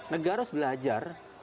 negara harus belajar